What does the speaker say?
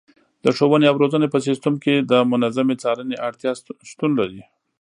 د ښوونې او روزنې په سیستم کې د منظمې څارنې اړتیا شتون لري.